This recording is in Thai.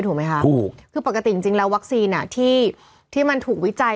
ถูกไหมคะถูกคือปกติจริงแล้ววัคซีนที่มันถูกวิจัย